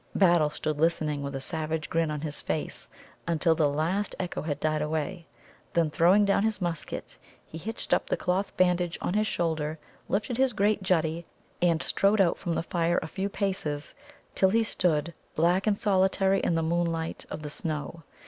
Battle stood listening with a savage grin on his face, until the last echo had died away. Then, throwing down his musket, he hitched up the cloth bandage on his shoulder, lifted his great Juddie, and strode out from the fire a few paces till he stood black and solitary in the moonlight of the snow.